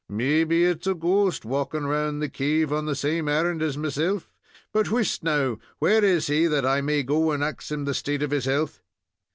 "Maybe it's a ghost walking round the cave, on the same errand as meself. But whist now; where is he, that I may go and ax him the state of his health?"